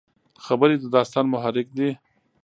خبرې د داستان محرک دي.